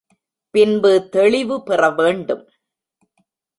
பின்பு தெளிவு பெறவேண்டும்.